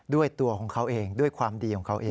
ด้วยตัวของเขาเองด้วยความดีของเขาเอง